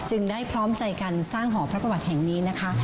ได้พร้อมใจกันสร้างหอพระประวัติแห่งนี้นะคะ